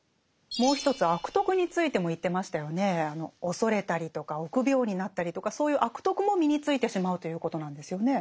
恐れたりとか臆病になったりとかそういう「悪徳」も身についてしまうということなんですよね。